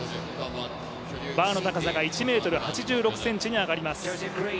バーの高さが１ｍ８６ｃｍに上がります。